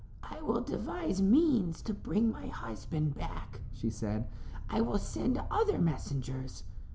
"I will devise means to bring my husband back," she said. "I will send other messengers."